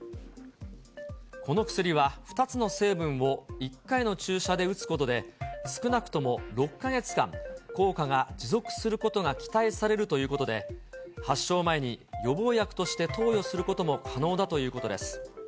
この薬は、２つの成分を１回の注射で打つことで、少なくとも６か月間、効果が持続することが期待されるということで、発症前に予防薬として投与することも可能だということです。